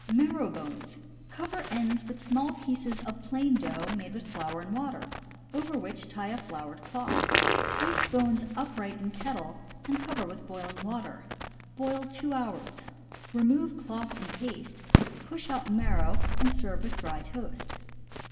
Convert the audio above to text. Marrow Bones. — Cover ends with small pieces of plain dough made with flour and water, over which tie a floured cloth; place bones upright in kettle, and cover with boiling water. Boil two hours. Remove cloth and paste, push out marrow, and serve with dry toast.